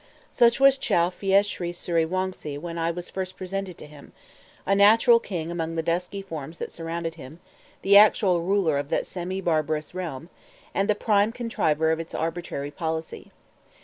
Such was Chow Phya Sri Sury Wongse when I was first presented to him: a natural king among the dusky forms that surrounded him, the actual ruler of that semi barbarous realm, and the prime contriver of its arbitrary policy.